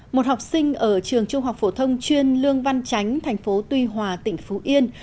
một học sinh ở trường trung học phổ thông chuyên lương văn chánh thành phố tuy hòa tỉnh phú yên